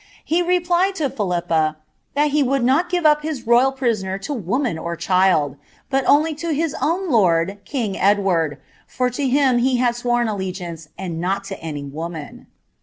He replied to Phi ippa, ^ that he would not give up his royal prisoner to woman or child,* at <Hiiy to his own lord king Edward, for to him he liad sworn alle :iance, and not to any woman.''